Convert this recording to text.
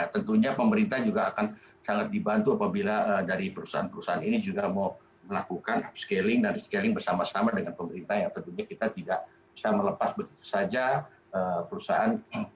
tentunya pemerintah juga akan sangat dibantu apabila dari perusahaan perusahaan ini juga mau melakukan upscaling dan rescaling bersama sama dengan pemerintah yang tentunya kita tidak bisa melepas begitu saja perusahaan